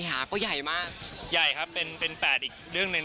ใหญ่ครับเป็นแฟร์ดอีกเรื่องนึง